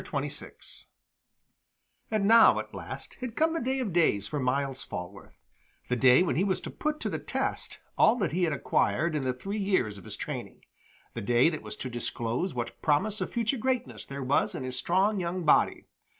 CHAPTER 26 And now, at last, had come the day of days for Myles Falworth; the day when he was to put to the test all that he had acquired in the three years of his training, the day that was to disclose what promise of future greatness there was in his strong young body.